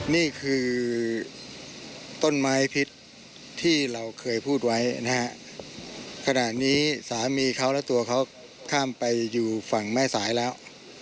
นี่คือต้นไม้พิษที่เราเคยพูดไว้นะฮะขณะนี้สามีเขาและตัวเขาข้ามไปอยู่ฝั่งแม่สายแล้ว